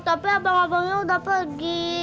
tapi abang abangnya udah pergi